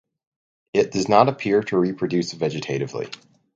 It does not appear to reproduce vegetatively.